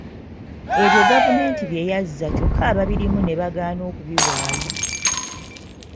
Ebyo Gavumenti bye yazza kyokka ababirimu ne bagaana okubiwaayo.